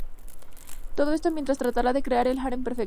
Todo esto mientras tratará de crear el harem perfecto.